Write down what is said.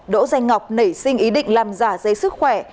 đỗ dạnh ngọc nảy sinh ý định làm giả dây sức khỏe